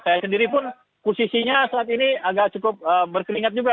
saya sendiri pun posisinya saat ini agak cukup berkeingat juga